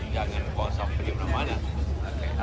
jangan bawa sampah kemana mana